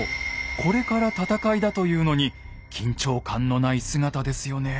これから戦いだというのに緊張感のない姿ですよね。